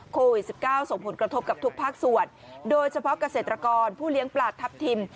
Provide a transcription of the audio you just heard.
โควิด๑๙ส่งผลกระทบกับทุกภาคส่วนโดยเฉพาะเกษตรกรผู้เลี้ยงปลาทัพทิม